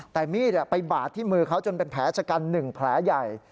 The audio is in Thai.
แต่มีดไปบาดที่มือเขาจนเป็นแผลชะกัน๑แผลใหญ่